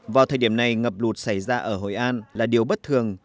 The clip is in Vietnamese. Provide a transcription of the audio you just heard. vào thời điểm này ngập lụt xảy ra ở hội an là điều bất thường